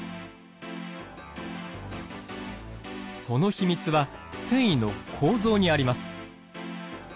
その秘密は繊維の構造にあります。